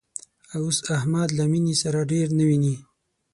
اوس احمد له مینې سره ډېر نه ویني